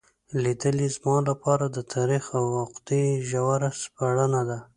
لیدل یې زما لپاره د تاریخ او عقیدې ژوره سپړنه وه.